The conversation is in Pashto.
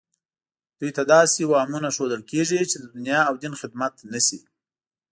دوی ته داسې وهمونه ښودل کېږي چې د دنیا او دین خدمت نه شي